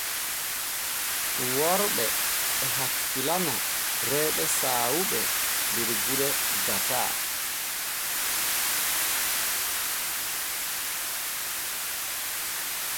Worɓe e hakkilana rewɓe saawuɓe der gure gbataa.